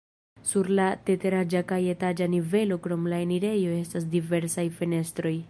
Sur la teretaĝa kaj etaĝa nivelo krom la enirejo estas diversaj fenestroj.